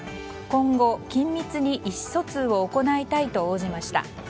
今後、緊密に意思疎通を行いたいと応じました。